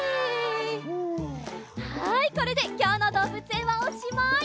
はいこれできょうのどうぶつえんはおしまい。